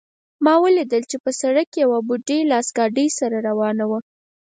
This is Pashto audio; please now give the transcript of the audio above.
ما ولیدل چې په سړک کې یوه بوډۍ لاس ګاډۍ سره روانه وه